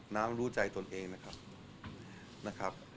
น้ำรู้ใจตนเองนะครับนะครับ